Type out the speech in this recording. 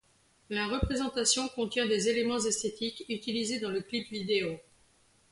La représentation contient des éléments esthétiques utilisés dans le clip vidéo.